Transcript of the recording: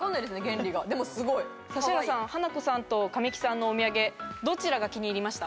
指原さん、ハナコさんと神木さんのお土産どちらが気に入りました？